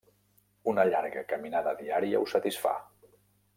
Una llarga caminada diària ho satisfà.